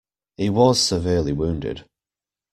He was severely wounded.